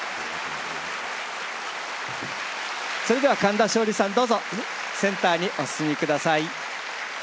それでは神田松鯉さんどうぞセンターにお進みください。